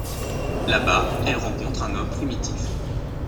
Là-bas, elle rencontre un homme primitif.